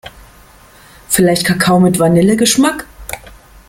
Vielleicht Kakao mit Vanillegeschmack?